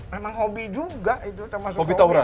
memang hobi juga itu termasuk film